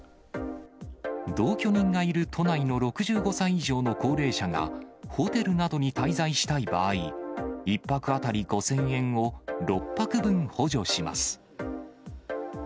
同居人がいる都内の６５歳以上の高齢者が、ホテルなどに滞在したい場合、１泊当たり５０００円を６泊分補助します。